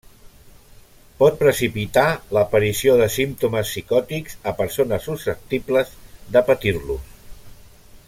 Pot precipitar l'aparició de símptomes psicòtics a persones susceptibles de patir-los.